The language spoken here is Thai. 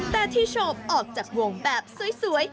แต่ที่โฉบออกจากวงแบบสวย